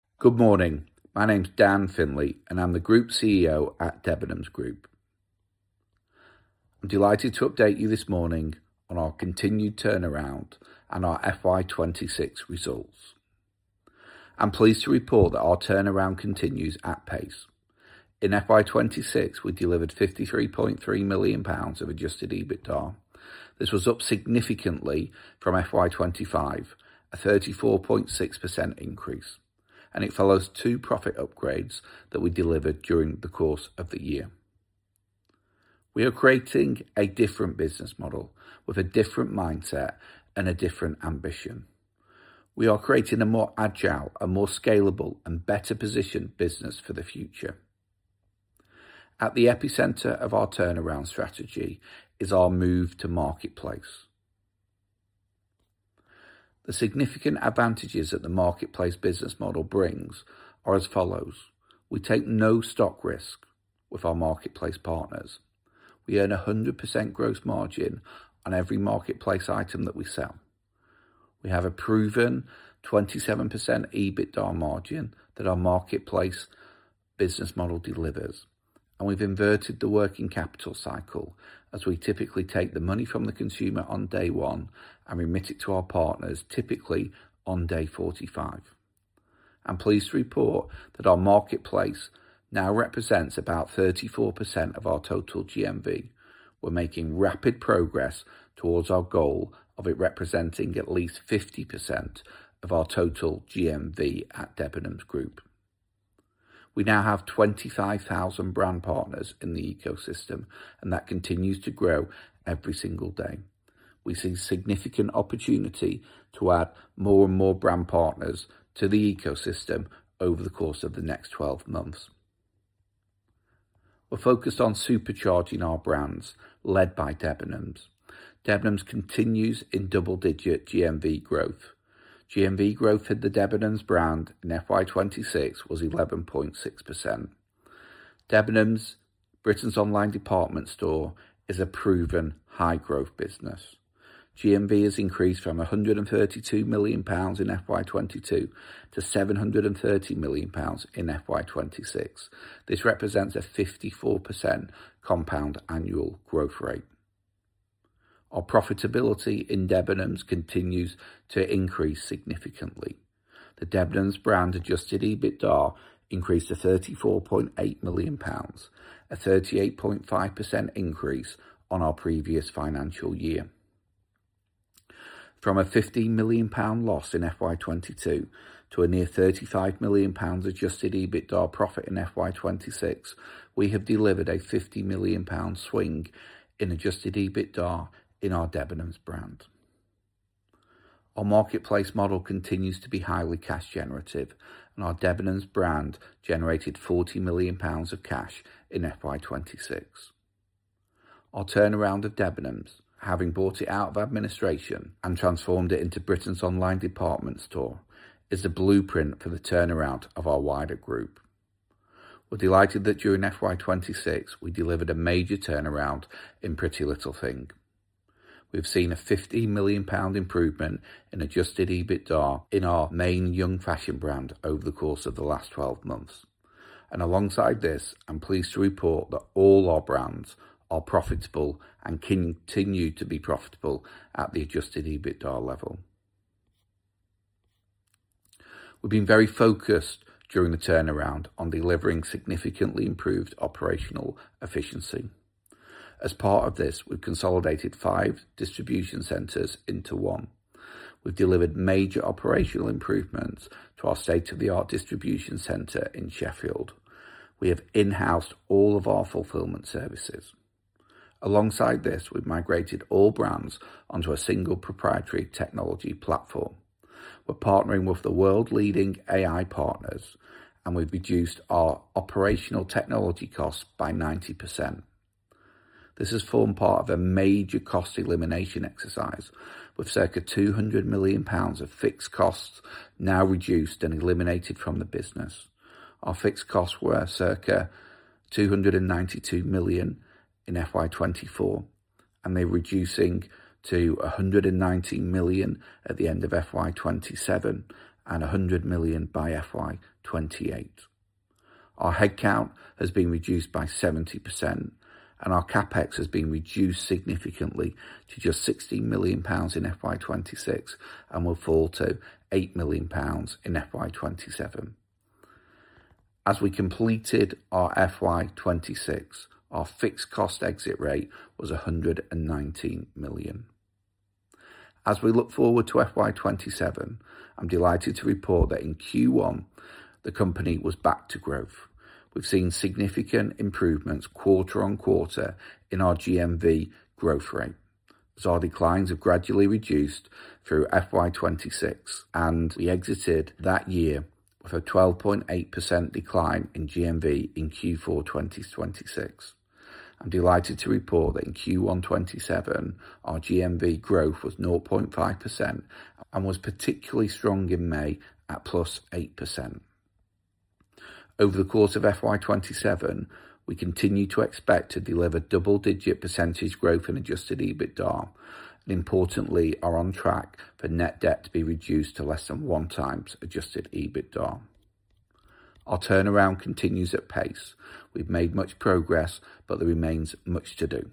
Good morning. My name's Dan Finley, and I'm the Group CEO at Debenhams Group. I'm delighted to update you this morning on our continued turnaround and our FY 2026 results. I'm pleased to report that our turnaround continues at pace. In FY 2026, we delivered GBP 53.3 million of adjusted EBITDA. This was up significantly from FY 2025, a 34.6% increase, and it follows two profit upgrades that we delivered during the course of the year. We are creating a different business model with a different mindset and a different ambition. We are creating a more agile and more scalable and better-positioned business for the future. At the epicenter of our turnaround strategy is our move to marketplace. The significant advantages that the marketplace business model brings are as follows. We take no stock risk with our marketplace partners. We earn 100% gross margin on every marketplace item that we sell. We have a proven 27% EBITDA margin that our marketplace business model delivers. We've inverted the working capital cycle, as we typically take the money from the consumer on day one and remit it to our partners, typically on day 45. I'm pleased to report that our marketplace now represents about 34% of our total GMV. We're making rapid progress towards our goal of it representing at least 50% of our total GMV at Debenhams Group. We now have 25,000 brand partners in the ecosystem. That continues to grow every single day. We see significant opportunity to add more and more brand partners to the ecosystem over the course of the next 12 months. We're focused on supercharging our brands, led by Debenhams. Debenhams continues in double-digit GMV growth. GMV growth in the Debenhams brand in FY 2026 was 11.6%. Debenhams, Britain's online department store, is a proven high-growth business. GMV has increased from 132 million pounds in FY 2022 to 730 million pounds in FY 2026. This represents a 54% compound annual growth rate. Our profitability in Debenhams continues to increase significantly. The Debenhams brand adjusted EBITDA increased to 34.8 million pounds, a 38.5% increase on our previous financial year. From a GBP 15 million loss in FY 2022 to a near GBP 35 million adjusted EBITDA profit in FY 2026, we have delivered a GBP 50 million swing in adjusted EBITDA in our Debenhams brand. Our marketplace model continues to be highly cash generative. Our Debenhams brand generated 40 million pounds of cash in FY 2026. Our turnaround of Debenhams, having bought it out of administration and transformed it into Britain's online department store, is the blueprint for the turnaround of our wider group. We're delighted that during FY 2026, we delivered a major turnaround in PrettyLittleThing. We've seen a 15 million pound improvement in adjusted EBITDA in our main young fashion brand over the course of the last 12 months. Alongside this, I'm pleased to report that all our brands are profitable and continue to be profitable at the adjusted EBITDA level. We've been very focused during the turnaround on delivering significantly improved operational efficiency. As part of this, we've consolidated five distribution centers into one. We've delivered major operational improvements to our state-of-the-art distribution center in Sheffield. We have in-housed all of our fulfillment services. Alongside this, we've migrated all brands onto a single proprietary technology platform. We're partnering with the world-leading AI partners. We've reduced our operational technology costs by 90%. This has formed part of a major cost elimination exercise, with circa 200 million pounds of fixed costs now reduced and eliminated from the business. Our fixed costs were circa 292 million in FY 2024. They're reducing to 190 million at the end of FY 2027 and 100 million by FY 2028. Our headcount has been reduced by 70%, and our CapEx has been reduced significantly to just 16 million pounds in FY 2026 and will fall to 8 million pounds in FY 2027. As we completed our FY 2026, our fixed cost exit rate was 119 million. As we look forward to FY 2027, I'm delighted to report that in Q1, the company was back to growth. We've seen significant improvements quarter on quarter in our GMV growth rate, as our declines have gradually reduced through FY 2026, and we exited that year with a 12.8% decline in GMV in Q4 2026. I'm delighted to report that in Q1 2027, our GMV growth was 0.5% and was particularly strong in May at +8%. Over the course of FY 2027, we continue to expect to deliver double-digit percentage growth in adjusted EBITDA and importantly, are on track for net debt to be reduced to less than 1x adjusted EBITDA. Our turnaround continues at pace. We've made much progress, there remains much to do.